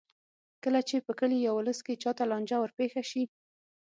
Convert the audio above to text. کله چې په کلي یا ولس کې چا ته لانجه ورپېښه شي.